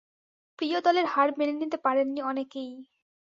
প্রিয় দলের হার মেনে নিতে পারেননি অনেকেই।